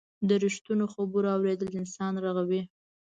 د رښتینو خبرو اورېدل انسان رغوي.